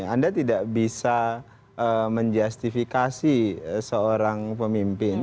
anda tidak bisa menjustifikasi seorang pemimpin